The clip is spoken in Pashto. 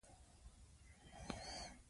اجمل خټک په ژوند کې څو ځلې زندان ته داخل شوی.